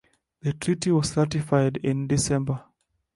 The treaty was ratified in December.